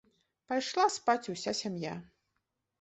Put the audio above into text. Пайшла спаць уся сям'я.